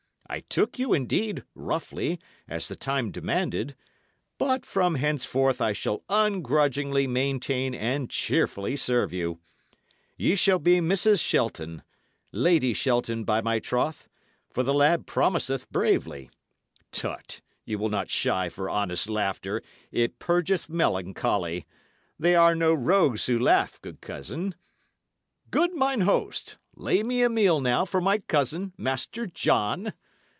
I took you, indeed, roughly, as the time demanded; but from henceforth I shall ungrudgingly maintain and cheerfully serve you. Ye shall be Mrs. Shelton Lady Shelton, by my troth! for the lad promiseth bravely. Tut! ye will not shy for honest laughter; it purgeth melancholy. They are no rogues who laugh, good cousin. Good mine host, lay me a meal now for my cousin, Master John.